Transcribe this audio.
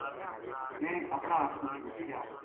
میں اپنا انتھرو پوچھیا